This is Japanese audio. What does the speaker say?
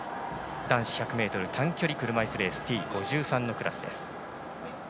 男子１００ｍ短距離車いすレースＴ５３のクラスです。